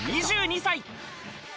２２歳。